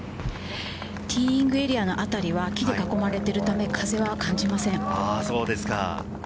ティーイングエリアのあたりは木に囲まれているため、風は感じません。